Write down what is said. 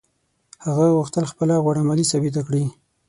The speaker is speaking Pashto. هغه غوښتل خپله غوړه مالي ثابته کړي.